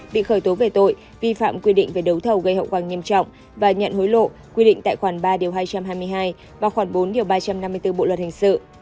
bị khởi tố về tội vi phạm quy định về đấu thầu gây hậu quả nghiêm trọng và nhận hối lộ quy định tại khoản ba điều hai trăm hai mươi hai và khoảng bốn điều ba trăm năm mươi bốn bộ luật hình sự